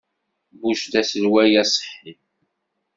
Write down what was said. Bush d aselway aṣeḥḥi.